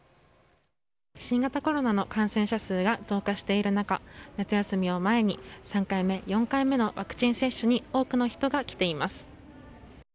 新型コロナの感染者数が増加している中夏休みを前に３回目、４回目のワクチン接種に多くの人が来ています。